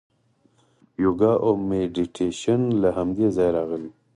یوګا او میډیټیشن له همدې ځایه راغلي.